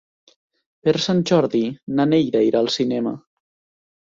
Per Sant Jordi na Neida irà al cinema.